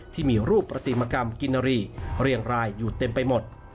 ที่มีรูปปฏิมกรรมกินนารีเรียงรายอยู่เต็มไปหมด